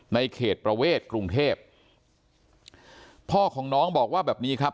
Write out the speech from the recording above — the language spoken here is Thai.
ในเขตประเวทกรุงเทพพ่อของน้องบอกว่าแบบนี้ครับ